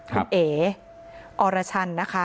คุณเอ๋อรชัน